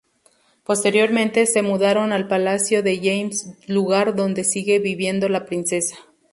Posteriormente, se mudaron al palacio de St James, lugar donde sigue viviendo la princesa.